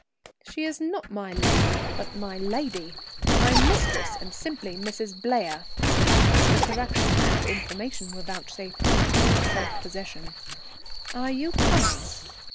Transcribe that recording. "She is not 'my lady,' but 'my' lady, my mistress, and simply Mrs. Blair." The correction and information were vouchsafed with cold self possession. "Are you coming?"